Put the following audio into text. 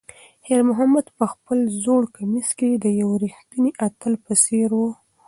خیر محمد په خپل زوړ کمیس کې د یو ریښتیني اتل په څېر و.